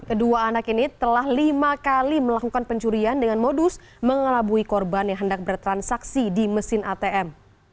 kedua anak ini telah lima kali melakukan pencurian dengan modus mengelabui korban yang hendak bertransaksi di mesin atm